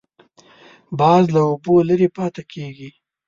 باز له اوبو لرې پاتې کېږي